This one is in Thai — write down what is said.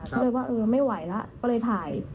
ก็เลยว่าเออไม่ไหวแล้วก็เลยถ่าย